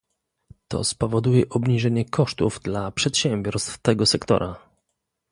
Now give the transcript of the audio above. To spowoduje obniżenie kosztów dla przedsiębiorstw tego sektora